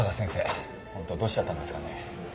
ホントどうしちゃったんですかね。